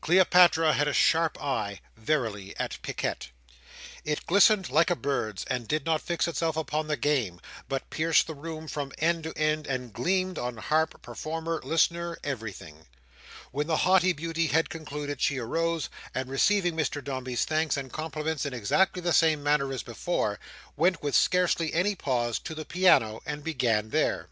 Cleopatra had a sharp eye, verily, at picquet. It glistened like a bird's, and did not fix itself upon the game, but pierced the room from end to end, and gleamed on harp, performer, listener, everything. When the haughty beauty had concluded, she arose, and receiving Mr Dombey's thanks and compliments in exactly the same manner as before, went with scarcely any pause to the piano, and began there.